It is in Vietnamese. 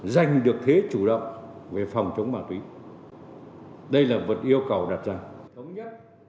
dành được thế chủ động về phòng chống ma túy đây là vật yêu cầu đặt ra